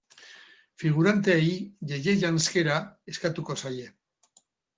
Figuranteei ye-ye janzkera eskatuko zaie.